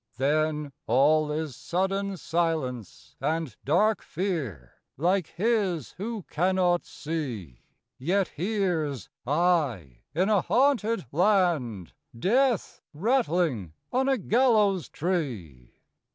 Then all is sudden silence and Dark fear like his who can not see, Yet hears, aye in a haunted land, Death rattling on a gallow's tree.